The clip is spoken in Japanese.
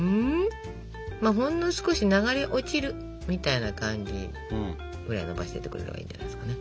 ほんの少し流れ落ちるみたいな感じぐらい伸ばしておいてくれればいいんじゃないですかね。